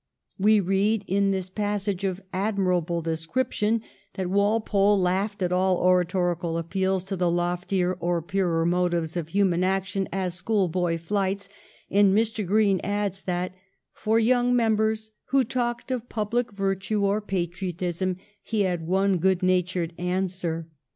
We read in this passage of admirable description that Walpole laughed at all oratorical appeals to the loftier or purer motives of human action as schoolboy flights, and Mr. Green adds that, ' for young members who talked of pubUc virtue or patriotism he had one good natured answer.'